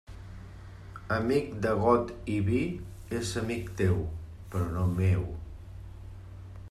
Amic de got i vi és amic teu però no meu.